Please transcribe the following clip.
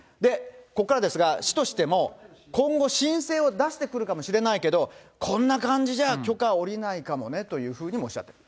ここからですが、市としても、今後、申請を出してくるかもしれないけど、こんな感じじゃ許可下りないかもねというふうにもおっしゃってる。